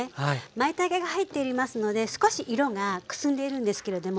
まいたけが入っておりますので少し色がくすんでいるんですけれどもでもね